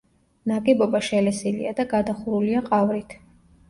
ნაგებობა შელესილია და გადახურულია ყავრით.